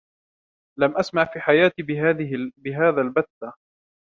لم أسمع في حياتي بهذا البتة.